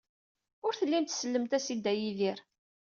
Ur tellimt tsellemt-as i Dda Yidir.